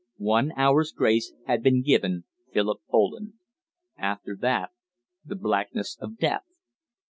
One hour's grace had been given Philip Poland. After that, the blackness of death.